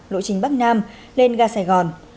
lộ trình bắc nam lên ga sài gòn